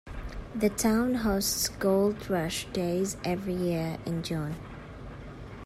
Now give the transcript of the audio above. The town hosts Gold Rush Days every year in June.